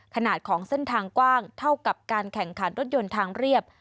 ขนาดของเส้นทางกว้างเท่ากับการแข่งขันรถยนต์ทางเรียบ